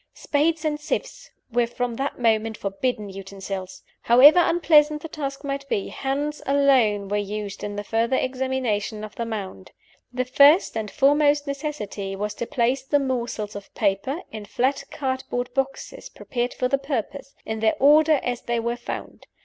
Spades and sieves were from that moment forbidden utensils. However unpleasant the task might be, hands alone were used in the further examination of the mound. The first and foremost necessity was to place the morsels of paper (in flat cardboard boxes prepared for the purpose) in their order as they were found.